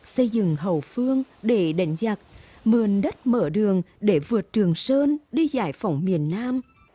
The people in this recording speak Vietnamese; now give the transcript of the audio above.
xây dựng hậu phương để đánh giặc mượn đất mở đường để vượt trường sơn đi giải phóng miền nam